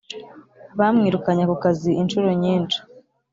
Bamwirukanye ku kazi inshuro nyinshi